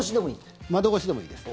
窓越しでもいいです。